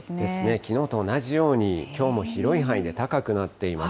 きのうと同じようにきょうも広い範囲で高くなっています。